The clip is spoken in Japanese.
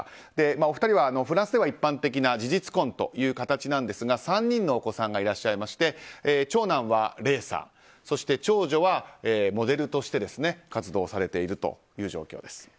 お二人はフランスでは一般的な事実婚という形ですが３人のお子さんがいらっしゃいまして長男はレーサーそして長女はモデルとして活動をされているという状況です。